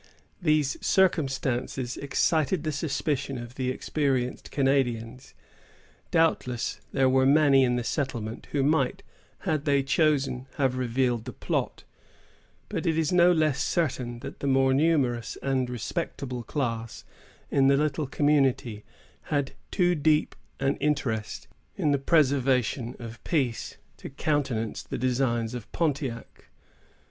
These circumstances excited the suspicion of the experienced Canadians. Doubtless there were many in the settlement who might, had they chosen, have revealed the plot; but it is no less certain that the more numerous and respectable class in the little community had too deep an interest in the preservation of peace, to countenance the designs of Pontiac.